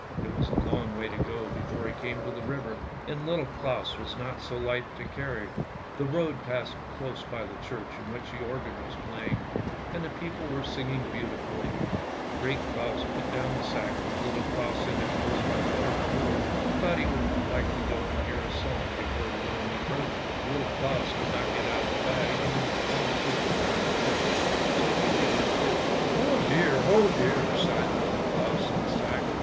" It was a long way to go before he came to the river, and Little Claus was not so light to carry. The road passed close by the church in which the organ was playing, and the people were singing beautifully. Great Claus put down the sack with Little Claus in it close by the church door, and thought he would like to go and hear a psalm before he went any further. Little 154 ANDERSEN'S FAIRY TALES Claus could not get out of the bag, and all the people were in church, so he went in too. "Oh dear, oh dear! " sighed Little Claus in the sack.